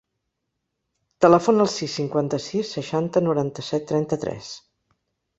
Telefona al sis, cinquanta-sis, seixanta, noranta-set, trenta-tres.